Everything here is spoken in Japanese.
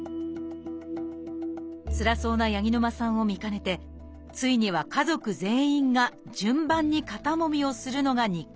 つらそうな八木沼さんを見かねてついには家族全員が順番に肩もみをするのが日課となりました